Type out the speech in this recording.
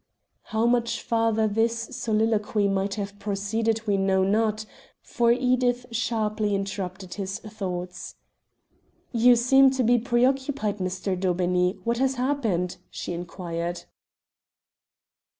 How much further this soliloquy might have proceeded he knew not, for Edith sharply interrupted his thoughts. "You seem to be preoccupied, Mr. Daubeney. What has happened?" she inquired.